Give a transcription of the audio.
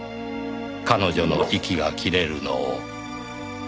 「彼女の息が切れるのを」